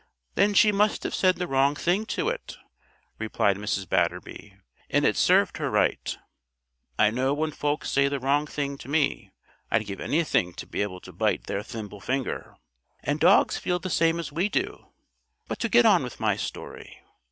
"Then she must have said the wrong thing to it," replied Mrs. Batterby; "and it served her right. I know when folks say the wrong thing to me, I'd give anything to be able to bite their thimble finger, and dogs feel the same as we do. But to get on with my story.